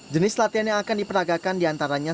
jenis latihan yang akan diperagakan diantaranya